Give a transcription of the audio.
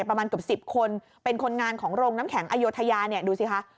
ประมาณเกือบ๑๐คนเป็นคนงานของโรงน้ำแข็งอโยธยาเนี่ยดูสิคะ